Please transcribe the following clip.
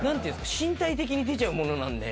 身体的に出ちゃうものなんで。